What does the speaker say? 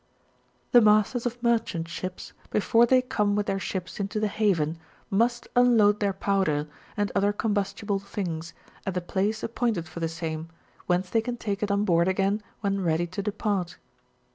The masters of merchant ships, before they come with their ships into the haven, must unload their powder, and other combustible things, at the place appointed for the same, whence they can take it on board again when ready to depart.